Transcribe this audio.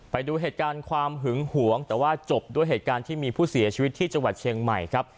ไปดูเหตุการณ์ความหึงหวงแต่ว่าจบด้วยเหตุการณ์ที่มีผู้เสียชีวิตที่จังหวัดเชียงใหม่ครับ